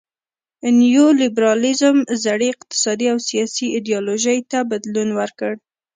نیو لیبرالیزم زړې اقتصادي او سیاسي ایډیالوژۍ ته بدلون ورکړ.